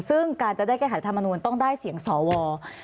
ซึ่งการจะได้แก้ไขธรรมนูลต้องได้เสียงสว